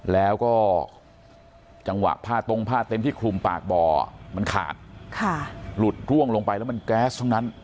แล้วก็จังหวะผ้าตรงผ้าเต็มที่คลุมปากบ่อมันขาดหลุดร่วงลงไปแล้วมันแก๊สทั้งนั้น